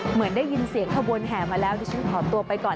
เหมือนได้ยินเสียงขบวนแห่มาแล้วดิฉันขอตัวไปก่อน